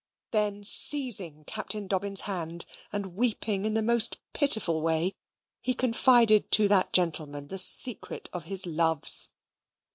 Then, seizing Captain Dobbin's hand, and weeping in the most pitiful way, he confided to that gentleman the secret of his loves.